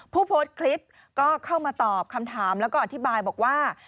ผู้โพสต์คลิปก็เข้ามาตอบคำถามแล้วก็อธิบายบอกว่า